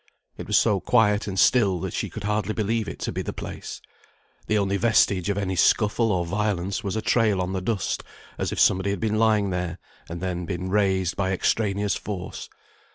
It was so quiet and still that she could hardly believe it to be the place. The only vestige of any scuffle or violence was a trail on the dust, as if somebody had been lying there, and then been raised by extraneous force.